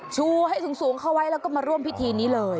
ชูให้สูงเข้าไว้แล้วก็มาร่วมพิธีนี้เลย